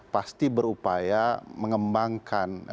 pasti berupaya mengembangkan